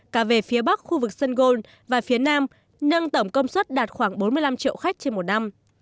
cả về phía bắc khu vực sân gôn và phía nam nâng tổng công suất đạt khoảng bốn mươi năm triệu khách trên một năm